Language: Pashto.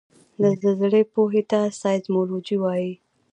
د زلزلې پوهې ته سایزمولوجي وايي